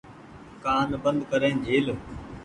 ڪآن بند ڪرين جهيل۔